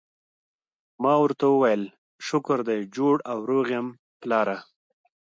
ما ورته وویل: شکر دی جوړ او روغ یم، پلاره.